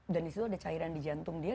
dan di situ ada cairan di jantung dia